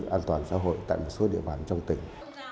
an toàn xã hội tại một số địa bàn trong tỉnh